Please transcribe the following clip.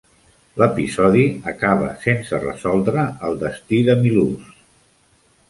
L'episodi acaba sense resoldre el destí de Milhouse.